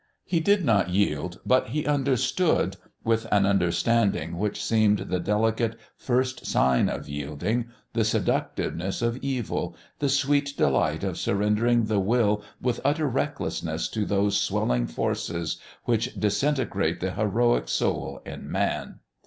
He did not yield, but he understood with an understanding which seemed the delicate first sign of yielding the seductiveness of evil, the sweet delight of surrendering the Will with utter recklessness to those swelling forces which disintegrate the heroic soul in man.